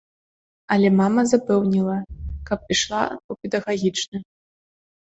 Але мама запэўніла, каб ішла ў педагагічны.